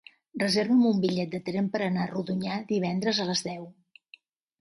Reserva'm un bitllet de tren per anar a Rodonyà divendres a les deu.